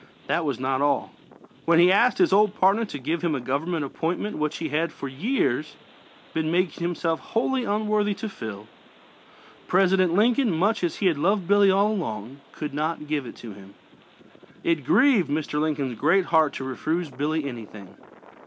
That was not all. When he asked his old partner to give him a government appointment which he had, for years, been making himself wholly unworthy to fill, President Lincoln, much as he had loved Billy all along, could not give it to him. It grieved Mr. Lincoln's great heart to refuse Billy anything.